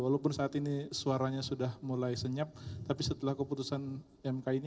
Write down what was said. walaupun saat ini suaranya sudah mulai senyap tapi setelah keputusan mk ini